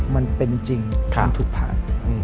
มันเป็นจริงมันถูกผ่าน